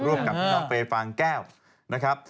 ร่วมกับน้องเฟฟางแก้วนะครับ